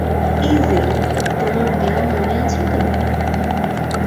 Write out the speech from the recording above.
ইযি, তোমার ব্যায়াম মনে আছে তো?